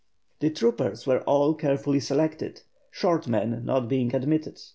The troopers were all carefully selected, short men not being admitted.